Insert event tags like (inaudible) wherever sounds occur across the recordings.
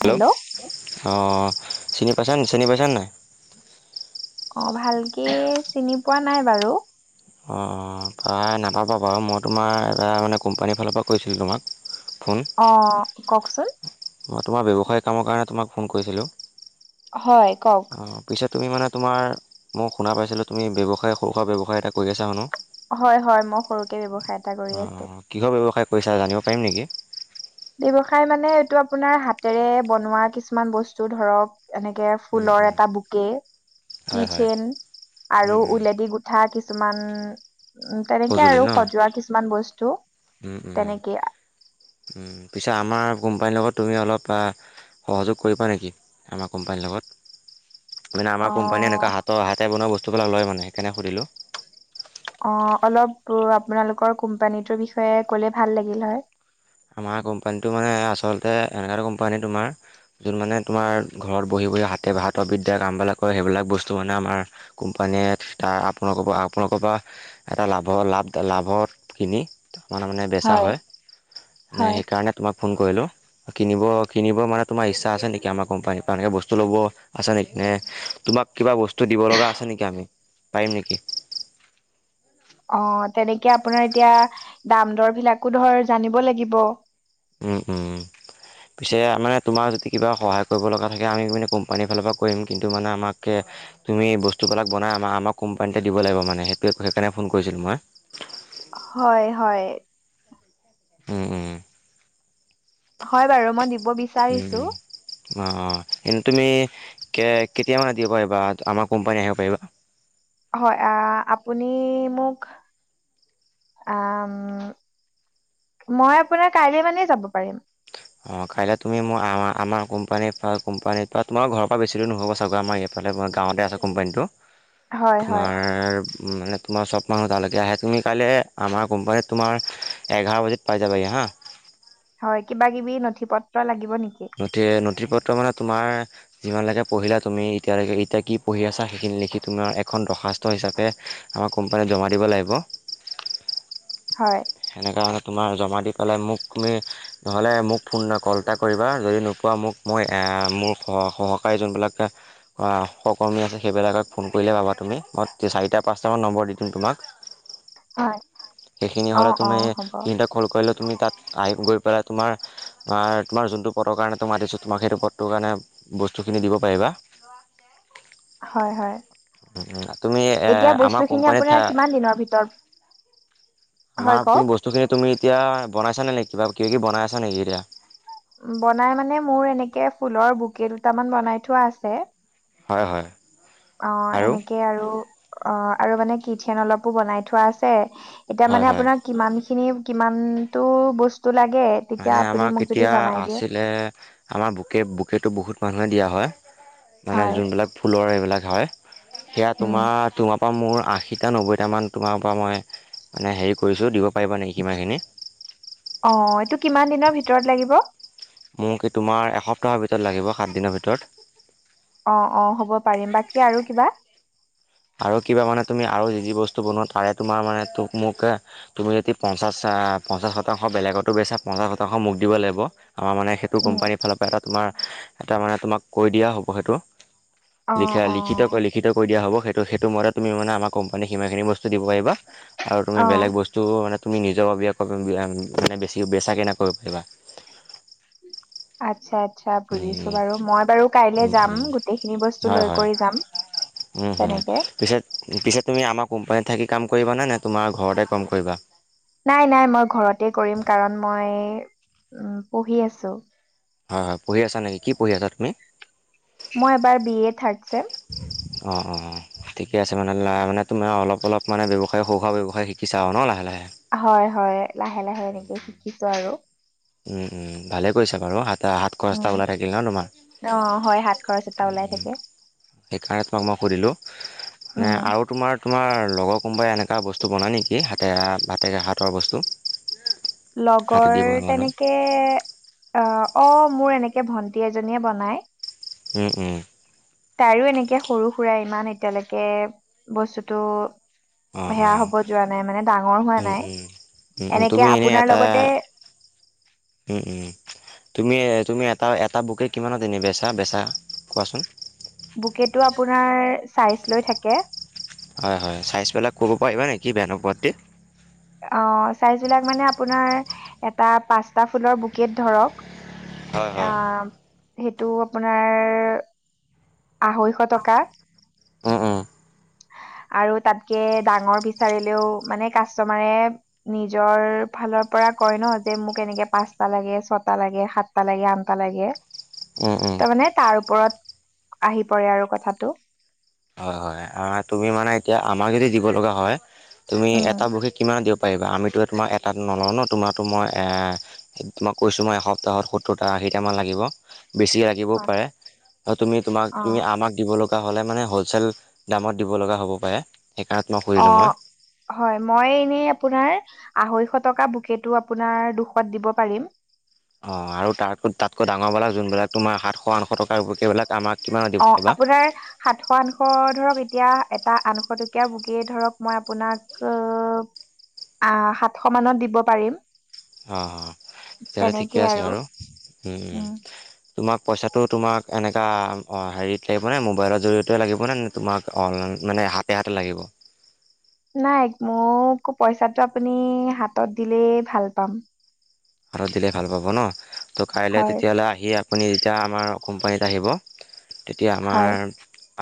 Hello অঁ চিনী পাইচণ্ চিনী পাইচান নাই অ ভালকে চিনি পোৱা নাই বাৰু অঁ পায় নাপাবা বাৰু মই তোমাৰ এবাৰ মানে কোম্পানীৰ ফালৰ পৰা কৈছিলোঁ তোমাক ফোন অ কওকচোন মই তোমাৰ ব্যৱসায়ী কামৰ কাৰণে তোমাক ফোন কৰিছিলোঁ হয় কওক অঁ পিছে তুমি মানে তোমাৰ মই শুনা পাইছিলোঁ তুমি ব্যৱসায় সৰু সুৰা ব্যৱসায় এটা কৰি আছা শুনো। হয় হয় মই সৰুকে ব্যৱস্থ অঁ কিহৰ ব্যৱসায় কৰিছা জানিব পাৰিম নেকি ব্যৱসায় মানে এইটো আপোনাৰ হাতেৰে বনোৱা কিছুমান বস্তু ধৰক এনেকে ফুলৰ এটা বুকে হয় হয় কিথন আৰু উলেদি গোঠা কিছুমান উম তেনেকে সঁজুলি আৰু ন সজোৱা কিছুমান বস্তু তেনেকেই পিছে আমাৰ কোম্পানীৰ লগত তুমি অলপ সহযোগ কৰিবা নেকি আমাৰ কোম্পানীৰ লগত? মানে অ আমাৰ কোম্পানীয়ে এনেকুৱা হাতৰ হাতে বনোৱা বস্তুবিলাক লয় মানে সেইকাৰণে সুধিলোঁ। অ অলপ আপোনালোকৰ কোম্পানীটোৰ বিষয়ে ক'লে ভাল লাগিল হয়। আমাৰ কোম্পানীটো মানে আচল তাতে এনেকুৱা এ কোম্পানী তোমাৰ যোন মানে তোমাৰ ঘৰত বহি বহি হাতে বা ভাত অবিদ্যা কামবিলাক কৰে সেই সেইবিলাক বস্তু মানে আমাৰ কোম্পানীয়ে তাৰ আপোনালোকৰ পৰা আপোনালোকৰ পৰা এটা লাভৰ লাভদ লাভত কিনি তাৰ ত মানে বেচা হয় মানে হয় সেইকাৰণে ফোন কৰিলোঁ। কিনিব কিনিব মানে তোম ই্ছাছে নেক আমাৰ কোম্পানীৰ পৰা এনেকৈ বস্তু ল'ব আছে নেকি এ তোমাক কিবা বস্তু দিব লগা আছে নেকি আমি পাৰিম নেকি? অ তেনেকে আপোনাৰ এতিয়া দাম দৰ বিলাকো ধৰ জানিব লাগিব। উম উম উম পিছে মানে তোমাৰ যদি কিবা সহায় কৰিব লগা থাকে আমি মানে কোম্পানীৰ ফালৰ পৰা কৰিম কিন্তু মানে আমাক তুমি বস্তুবিলাক বনাই আমাৰ আমাক কোম্পানীতে দিব লাগিব মানে সেইটোৱে সেইকাৰণে ফোন কৰিছিলোঁ মই হয় হয় উঁ উঁ হয় বাৰু মই দিব উম বিচাৰিছো। উম অ অ এ তুমি কে কেতিয়া মানে দিব পাৰিবা আমাৰ কোম্পানী আহিব পাৰিবা হয় আপুনি মোক আম মই আপোনাৰ কাইলে মানেই যাব পাৰিম। অ কাইলৈ তুমি ম আমাৰ কোম্পানীৰ পৰা কোম্পানীত পৰা তোমাৰ ঘৰৰ পৰা বেছি দুৰ নহবগৈ আমাৰ ইয়াৰ ফালে তোমাৰ গাঁৱতে আছে কোম্পানীটো। হয় হয়। তোমাৰ মানে তোমাৰ চব মানুহ তালৈকে আহে তুমি কাইলৈ আমাৰ কোম্পানীত তোমাৰ এঘাৰ বজাত পাই যাবা হি হাঁ। (inaudible) হয় কিবা কিবি নথি পত্ৰ লাগিব। নেকি? নি নথি পত্ৰ মানে তোমাৰ যিমান লৈকে পঢ়িলা তুমি এতিয়ালৈকে এতিয়া কি পঢ়ি আছা সেইখিনি লিখি তুমাৰ এখন দৰ্খাস্ত হিচাপে আমাৰ কোম্পানীত জমা দিব লাগিব। হয়। হেনেকাহলে তোমাৰ জমা দি পেলাই মোক তুমি নহ'লে মোক ফোন কল এটা কৰিবা যদি নোপোৱা বা মোক মই মোৰ সহকাৰী যোনবিলাক। সহকৰ্মী আছে সেইবিলাকক ফোন কৰিলে পাবা তুমি মই চাৰিটা পাঁচটামান নম্বৰ দি দিম তোমাক। হয় সেইখিনি অ হ'লে অ তুমি হ'ব সিহঁতক কল কৰিলে তুমি তাত আহি গৈ পেলাই তোমাৰ। তোমাৰ যোনটো পথৰ কাৰণে তোমাৰ মাতিছো তোমাক সেইটো পথটোৰ কাৰণে বস্তুখিনি দিব পাৰিবা। (unintelligible) (inaudible) হয় হয় তুমি এতিয়া আমাৰ বস্তুখিনি কোম্পানী আপোনাৰ থা কিমান দিনৰ ভিতৰত হয় আমাৰ তুমি কওক। বস্তুখিনি তুমি এতিয়া বনাইছানে নে ক বা কিবা কিবি বনাই আছা নেকি এতিয়া। বনাই মানে মোৰ এনেকে ফুলৰ বোকে দুটামান বনাই থোৱা আছে। হয় হয়। অ আৰু? এনেকে আৰু অ আৰু মানে কিটচেন অলপো বনাই থোৱা আছে। এতিয়া হয় মানে হয় আপোনাৰ কিমান খিনি কিমানতো বস্তু লাগে তেতিয়া মানে আপুনি আমাক মোক যদি এতিয়া জনাই দিয়ে আছিলে আমাৰ বুকে বুকেটো বহুত মানুহে দিয়া হয়। মানে হয় যোনবিলাক ফুলৰ এইবিলাক হয় সেয়া উম তোমাৰ তোমাৰ মোৰ আশীটা নব্বৈটামান তোমাৰ পৰা মই মানে হেৰি কৰিছোঁ দিব পাৰিবা নে সিমানখিনি অ এইটো কিমান দিনৰ ভিতৰত লাগিব। মোক এই তোমাৰ এসপ্তাহৰ ভিতৰত লাগিব সাত দিনৰ ভিতৰত। অ অ হ'ব পাৰিম বাকী আৰু কিবা। আৰু কিবা মানে তুমি আৰু যি যি বস্তু বনোৱা তাৰে তমাৰ মে মোক তুমি যদি পঞ্চাছ (unintelligible) পঞ্চাছ শতাংশ বেলেগতো বেচা পঞ্চাছ শতাংশ মোকো দিব লাগিব। আমাৰ মানে সেইটো উম কোম্পানীৰ ফালৰ পৰা এটা তোমাৰ এটা মানে তোমাক কৈ দিয়া হ'ব সেইটো অ লিখা অ লিখিত কৰি লিখিত কৰি দিয়া হব সেইটো মতে তুমি মানে আমাৰ কোম্পানী সিমানখিনি বস্তু বস্তু দিব পাৰিবা আৰু অ তুমি বেলেগ বস্তু মানে তুমি নিজৰ মানে বেছি বেচাকৈ নকৰি পাৰিবা আচ্ছা। আচ্ছা বুজিছো বাৰু মই বাৰু কাইলে যাম গোটেইখিনি বস্তু লৈ কৰি যাম। উম হম তেনেকে পিছেত পিছেত তুমি আমাৰ কোম্পানীত থাকি কাম কৰিবানে নে তোমাৰ ঘৰতে কম কৰিবা নাই নাই মই ঘৰতে কৰিম কাৰণ মই উম পঢ়ি আছো। হয় হয় পঢ়ি আছা নেকি কি পঢ়ি আছা তুমি মই এবাৰ বি এ থাট ছেম (unintelligible) অঁ অঁ অঁ ঠিকে আছে মানে মানে তম অলপ অলপ মানে ব্যৱসায় সৰুখোৱা ব্যৱসায় শিকিছা আৰু ন লাহে লাহে। হয় হয় লাহে লাহে উম এনেকে উম। শিকিছো আৰু উম উম ভালে কৰিছা বাৰু সাত সাত খৰচটো উম ওলাই থাকিল ন তোমাৰ। অ হয় হাত খৰচ এটা ওলাই থাকে সেইকাৰণে তোমাক মই সুধিলোঁ মানে উম আৰু তোমাৰ তোমাৰ লগৰ কোনোবাই এনেকুৱা বস্তু বনায় নেকি হাতে ভাতেক হাতৰ বস্তু। লগৰ হাতেদি বনোৱা মানুহ তেনেকে অ অ মোৰ এনেকে ভন্টি এজনীয়ে বনাই। উ উ তাইও এনেকে সৰু সুৰা ইমান এতিয়ালৈকে বস্তুতটো অঁ সেয়া অঁ হ'ব যোৱা নাই মানে ডাঙৰ হোৱা উম নাই। উম। উম উম তুমি এনেকে এনেই আপোনাৰ এটা লগতে উম উম তুমিয়েই তুমিয়েই। তাৰ এটা বুকে কিমানত এনে বেচা বেচা কোৱাচোন? বুকেটো আপোনাৰ চাইজ লৈ থাকে। হয় হয় চাইজবেলাক ক'ব পাৰিবা নেকি বেয়া নোপোৱা যদি। অঁ চাইজবিলাক মানে আপোনাৰ এটা পাঁচটা ফুলৰ বুকেট ধৰক। হয় হয়। আহ। সেইটো আপোনাৰ আঢ়ৈশ টকা। উম উম আৰু তাতকে ডাঙৰ বিচাৰিলেও মানে কা চমাৰে নিজৰ ফালৰ পৰা কয় ন যে মোক এনেকে পাঁচটা লাগে ছটা লাগে। হাতটা লাগে আনটা লাগে। উম উম তাৰমানে তাৰ ওপৰত আহি পৰে আৰু কথাটো। হয় হয় তুমি মানে এতিয়া আমাক যদি দিব লগা হয় তুমি এটা উম বশী কিমান দ পাৰিবা আমিতো তোমাৰ এটা নলওঁ ন তোমাৰো মই এ মই কৈছো মই এসপ্তাহত সত্তৰটা। চাৰিটামান লাগিব। বেছি লাগিবও হয় পাৰে তুমি তোমাক অ তুমি আমাক দিব লগা হ'লে মানে সল চেল দামত দিব লগা হ'ব পাৰে। সেইকাৰণে তোমাক অ সুধিলোঁ মই। হয় মই এনেই আপোনাৰ আঢ়ৈশত। টকা বুকেটো আপোনাৰ দুশত দিব পাৰিম। অ আৰু তাতো তাতকৈ ডাঙৰবিলাক যোন বিলাক তোমাৰ সাতশ আঠশ টকাৰকবিলাক আমাক কিমানত দিব অ পাৰিবা? আপোনাৰ সাতশ আঠশ ধৰক এ এতিয়া এটা আনশ টকীয়া বকে ধৰক মই আপোনাক আহ সাতশ মানত দিব পাৰিম। অ অ তেতিয়াহ'লে ঠিকে তেনেকেই আছে আৰু বাৰু উম উম। তোমাক পইচাটো তোমাক এনেকুৱা হেৰিত লাগিবনে মোবাইলৰ জৰিয়তে লাগিবনে নে? তোমাক অনলাইন। মানে হাতে হাতে লাগিব। নাই মোকো পইচাটো আপুনি হাতত দিলেই ভাল পাম। আৰু দিলে ভাল পাব ন ত' কাইলৈ হয় তেতিয়াহ'লে আহি। আপুনি যেতিয়া আমাৰ কোম্পানীত আহিব তেতিয়া আমাৰ হয়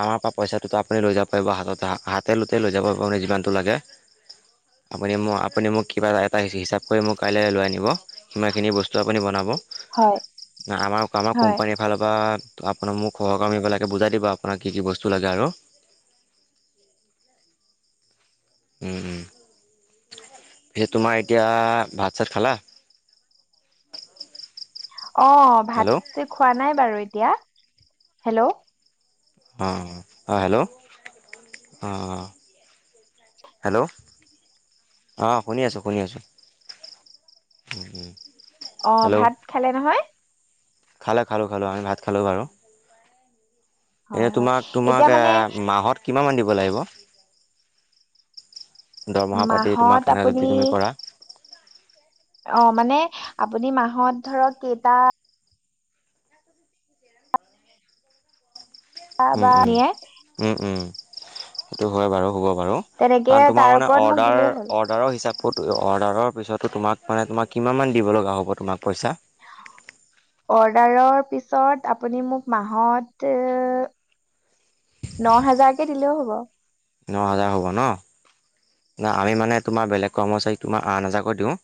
আমাৰ পৰা পইচাটোতো আপুনি লৈ যাব পাৰিব হাততে হা হাতে লুতেই লৈ যাব পাৰিব আপুনি যিমানটো লাগে। আপুনি মোক আপুনি মোক কিবা এটা হিচাপ কৰি মোক কাইলৈ লৈ আনিব। সিমানখিনি বস্তু আপুনি বনাব হয় আমাৰ আমাৰ হয় কোম্পানীৰ ফালৰ পৰা। তো আপোনাক মোক সহকৰ্মীবিলাকে বুজাই দিব আপোনাক কি কি বস্তু লাগে? আৰু (inaudible) উম উম। পিছে তোমাৰ এতিয়া ভাত চাত খালা অ হেল্ল' ভাত খোৱা নাই বাৰু এতিয়া। হেল্ল' অ অ হেল্ল' অ অ হেল্ল' অঁ শুনি আছোঁ শুনি আছোঁ। উম উম। অ ভাত খালে নহয়? খালে খালোঁ খালোঁ আমি ভাত খালোঁ বাৰু এ হয় হয় তোমাক তোমাক এতিয়া মানে এ মাহত। কিমানমান দিব লাগিব। দৰমহা পাতি তোমাক মাহত এনে যদি আপুনি তুমি কৰা অ মানে আপুনি মাহত ধৰক কেইটা উম বা উম নিয়ে উম উম সেইটো হয় বাৰু হ'ব। বাৰু তেনেকে কাৰণ তোমাৰ তাৰ মানে ওপৰত মোক অৰ্ডাৰ দিলেই হ'ল অৰ্ডাৰৰ হিচাপত অৰ্ডাৰৰ পিছতো তোমাক মানে তোমাক কিমানমান দিব লগা হ'ব তোমাক পইচা? অৰ্ডাৰৰ পিছত আপুনি মোক মাহত ন হেজাৰকৈ দিলেও হ'ব ন হাজাৰ হ'ব ন ন আমি মানে তোমাৰ বেলেগ কৰ্মচাৰীক তোমাৰ আন হাজাকৈ দিওঁ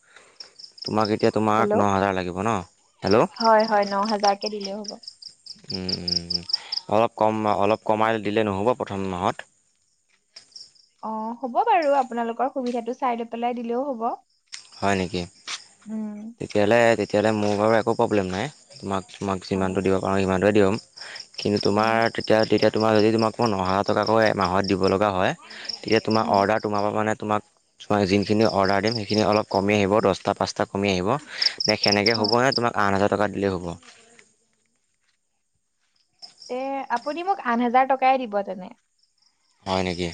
তোমাক এতিয়া তোমাক হেল্ল' ন হাজাৰ লাগিব ন হেল্ল' হয় হয় ন হাজাৰকে দিলেও হ'ব অলপ কম অলপ কমাই দিলে নহ'ব প্ৰথম মাহত অ হ'ব বাৰু আপোনালোকৰ সুবিধাটো চাই লৈ পেলাই দিলেও হ'ব হয় নেকি উম। তেতিয়াহ'লে তেতিয়াহ'লে মোৰ বাৰু একো প্ৰব্লেম নাই তোমাক হয় তোমাকটো দিব পাৰু সিমানটোৱেই দি'ম কিন্তু উম তোমাৰ তেতিয়া তেতিয়া তোমাৰ যদি তোমাক নহেজাৰ টকাকৈ এ মাহত দিব লগা হয়। তেতিয়া তোমাৰ হয় অৰ্ডাৰ তোমাৰ পৰা মানে তোমাক তোমাক যোনখিনি অৰ্ডাৰ দিম সেইখিনি অলপ কমি আহিব দহটা পাঁচটা কমি আহিব নে সেনেকৈ হয় হ'ব ন তোমাক আঠ হাজাৰ টকা দিলেই হ'ব। এ আপুনি মোক আঠ হাজাৰ টকাই দিব তেনে হয় নেকি,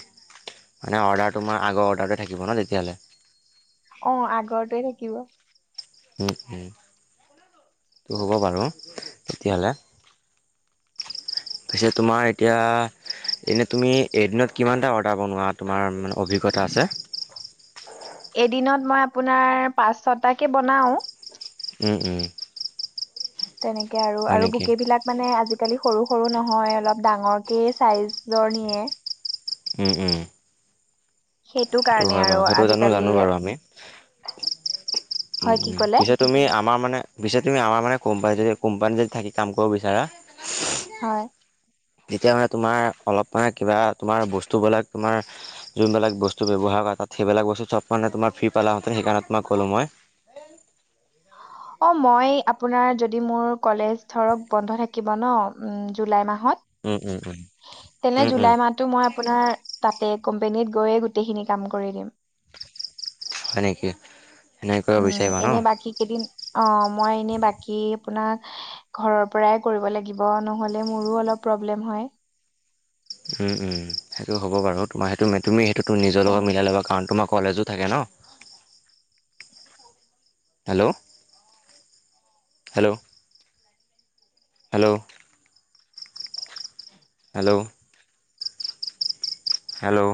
মানে অৰ্ডাৰটো তোমাৰ আগৰ অৰ্ডাৰটো থাকিব ন তেতিয়াহ'লে অ আগৰটোৱে থাকিব। উম উম, হ'ব বাৰু তেতিয়াহ'লে তাৰপিছত তোমাৰ এতিয়া এনে তুমি এদিনত কিমান এটা অৰ্ডাৰ বনোৱা তোমাৰ মানে অভিজ্ঞতা আছে? এদিনত মই আপোনাৰ পাঁচ ছটাকে বনাও। উম উম তেনেকে হয় আৰু নেকি? বুকে বিলাক মানে আজি আজিকালি সৰু সৰু নহয় অলপ ডাঙৰকে চাইজৰ নিয়ে। উম উম। সেইটো কাৰণে হয় আৰু বাৰু সেইটো জানো আজিকালি জানো বাৰু আমি উম হয় কি উম ক'লে পিছে তুমি আমাৰ মানে পিছে তুমি আমাৰ মানে কোম্পানী যদি কোম্পানী যদি থাকি কাম কৰিব বিচাৰা হয় তেতিয়া মানে তোমাৰ অলপ মানে কিবা তোমাৰ বস্তুবিলাক তোমাৰ যোনবিলাক বস্তু ব্যৱহাৰ সেইবিলাক বস্তু চব মানে তোমাৰ ফ্ৰী পালাহঁতে সেইকাৰণে তোমাক কলো মই অ মই আপোনাৰ যদি মোৰ কলেজ ধৰক বন্ধ থাকিব ন জুলাই মাহত উম উম উম তেনে উম উম জুলাই মাহতটো মই আপোনাৰ তাত কোম্পেনীত গৈয়ে গোটেইখিনি কাম কৰি দিম হয় নেকি সেনেকৈ উম বিচাৰিবা ন? এনে বাকী কেইদিন অৱ মই এনে বাকী আপোনাক ঘৰৰ পৰাই কৰিব লাগিব নহ'লে মোৰো অলপ প্ৰব্লেম হয়। উম উম সেইটো হ'ব বাৰু তোমাৰ সেইটো তুমি সেইটো নিজৰ লগত তেনেকে মিলাই ল'বা কাৰণ তোমাক কলেজো থাকে ন hello, hello hello hello hello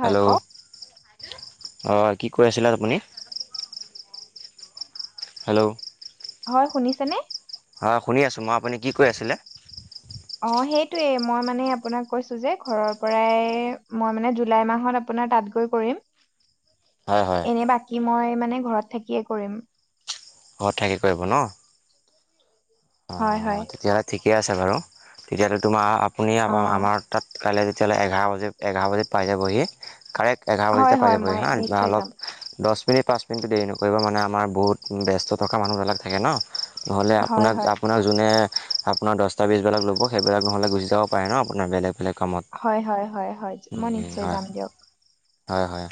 হয় হেল্ল' কওক। অ কি কৈ আছিলা আপুনি? হেল্ল' হয় শুনিছে নে? হয় শুনি আছোঁ মই আপুনি কি কৈ আছিলে! অ সেইটোয়ে মই মানে আপোনাক কৈছো যে ঘৰৰ পৰাই মই মানে জুলাই মাহত আপ আপোনাৰ তাত গৈ কৰিম। উ (unintelligible) এনে বাকী মই মানে ঘৰত থাকিয়ে কৰিম ঘৰত থাকে কৰিব ন অ হয় হয় তেতিয়াহলে ঠিক ঠিকে আছে বাৰু তেতিয়াহ'লে তোমাৰ আপুনি অ আমাৰ তাত কাইলৈ তেতিয়াহ'লে এঘাৰ বজাত এঘাৰ বজাত পাই যায় বহি কাৰেক্ট এঘাৰ হয় বজিতে পাই হয় যাব মই হা নিশ্চয় যাম অলপ দহ আপুনি পাঁচ মিনিটটো দেৰি নকৰিব মানে আমাৰ বহুত ব্যস্ত থকা মানুহবিলাক থাকে ন নহ'লে হয় আপোনাক হয় আপোনাক যোনে আপোনাৰ দহটা বিছবিলাক ল'ব সেইবিলাক নহ'লে গুচি যাব পাৰে ন আপোনাৰ বেলেগ বেলেগ কামত হয় হয় হয় হয় মই নিশ্চয় হয় যাম দিয়ক হয় হয়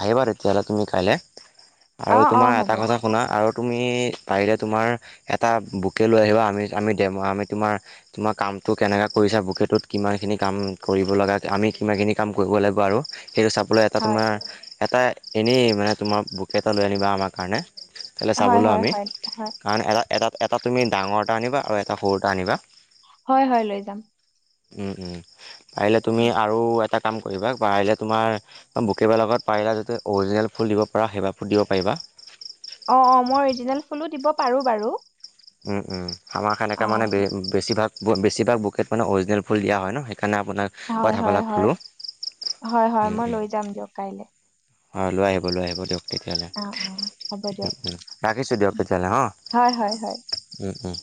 আহিবা তেতিয়াহ'লে তুমি কাইলৈ অ আৰু অ তোমাৰ হ'ব এটা কথা শুনা আৰু তুমি পাৰিলে তোমাৰ এটা বু বুকে লৈ আহিবা আমি আমি দে আমি তোমাৰ তোমাৰ কামটো কেনেকৈ কৰিছা বুকেটোত কিমানখিনি কাম কৰি কৰিব লগা আমি কিমাখিনি কাম কৰিব লাগিব আৰু সেইটো চাবলৈ এটা হয় তোমাৰ এটা এনেই মানে তোমাৰ বুকে এটা লৈ আনিবা আমাৰ কাৰণে কালৈ হয় চাবলৈ হয় আমি হয় হয় কাৰণ এ এটাত এটা তুমি ডাঙৰ এটা আনিবা আৰু এটা সৰু এটা আনিবা হয় হয় লৈ যাম। উম উম পাৰিলে তুমি আৰু এটা কাম কৰিবা পাৰিলে তোমাৰ বুকেবাৰ লগত পাৰিলা যাতে অৰিজিনেল ফুল দিব পৰা সেইবাৰ ফুল দিব পাৰিবা (unintelligible) অ অ মই অৰিজিনেল ফুলো দিব পাৰো বাৰু উম উম আমাৰ অ সনেকে মানে বেছিভাগ বেছিভাগ বুকেট মানে অৰিজিনেল ফুল দিয়া হয় ন সেইকাৰণে আপোনাক হয় হয় কথাবিলাক হয় কলো হয় হয় উম মই লৈ উম যাম দিয়ক কাইলৈ হয় লৈ আহিব লৈ আহিব দিয়ক তেতিয়াহ'লে অ অ হ'ব দিয়ক ৰাখিছোঁ দিয়ক তেতিয়াহ'লে হ হয় হয় হয় উম উম